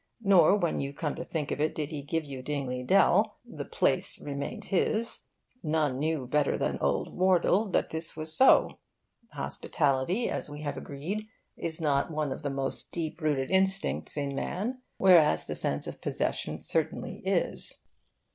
Nor, when you come to think of it, did he give you Dingley Dell. The place remained his. None knew better than Old Wardle that this was so. Hospitality, as we have agreed, is not one of the most deep rooted instincts in man, whereas the sense of possession certainly is.